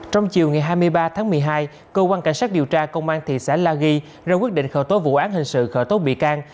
trong chiều ngày hai mươi ba tháng một mươi hai cơ quan cảnh sát điều tra công an thị xã la ghi ra quyết định khởi tố vụ án hình sự khởi tố bị can